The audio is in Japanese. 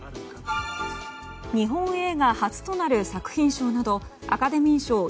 日本映画初となる作品賞などアカデミー賞